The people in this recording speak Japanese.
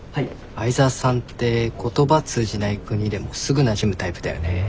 相澤さんって言葉通じない国でもすぐなじむタイプだよね。